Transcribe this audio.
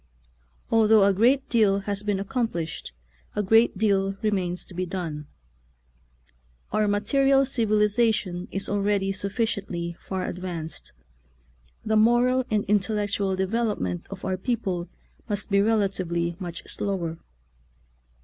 Although a great deal has been accomplished, a great deal remains to be done. Our ma teria] civilization is already sufficiently far advanced; the moral and intellectual development of our people must be rela tively much slower.